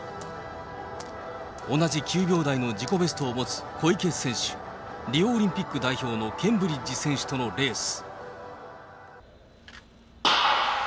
同じ９秒台の自己ベストを持つ小池選手、リオオリンピック代表のケンブリッジ選手とのレース。